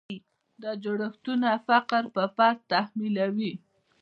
دا جوړښتونه فقر پر فرد تحمیلوي.